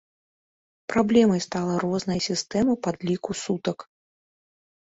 Праблемай стала розная сістэма падліку сутак.